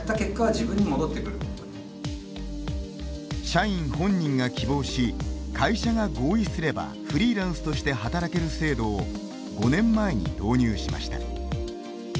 社員本人が希望し会社が合意すればフリーランスとして働ける制度を５年前に導入しました。